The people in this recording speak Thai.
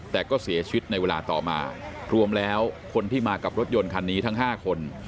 แต่ก็เสียชีวิตในเวลาต่อมารวมแล้วคนที่มากับรถยนต์คันนี้ทั้ง๕คน